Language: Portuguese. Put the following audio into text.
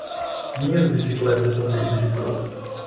Minhas bicicletas são feitas de cromo.